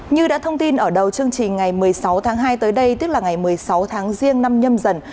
như đã thông tin ở đầu chương trình ngày một mươi sáu tháng hai tới đây tức là ngày một mươi sáu tháng riêng năm nhâm dần